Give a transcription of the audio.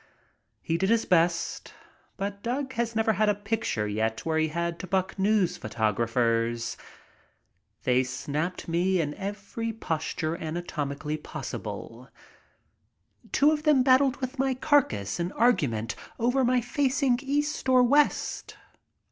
He did his best, but Doug has never had a picture yet where he had to buck news pho tographers. They snapped me in every posture anatomically possible. Two of them battled with my carcass in argument over my facing east or west.